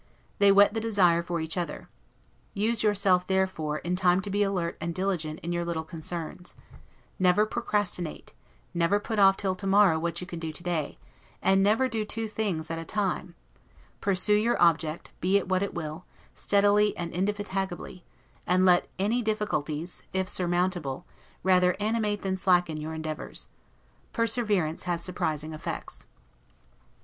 They whet the desire for each other. Use yourself, therefore, in time to be alert and diligent in your little concerns; never procrastinate, never put off till to morrow what you can do to day; and never do two things at a time; pursue your object, be it what it will, steadily and indefatigably; and let any difficulties (if surmountable) rather animate than slacken your endeavors. Perseverance has surprising effects.